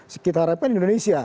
sekitar apa indonesia